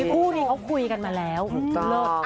ผู้ที่เขาคุยกันมาแล้วถูกต้องเลิก